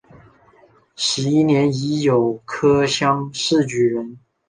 十一年乙酉科乡试举人。